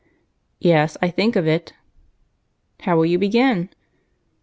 "Yes, I think of it." "How will you begin?"